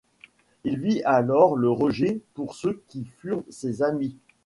Il vit alors le rejet par ceux qui furent ses amis.